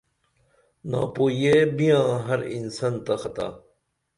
ناپوئیہ بیاں ہر انسن تہ خطاء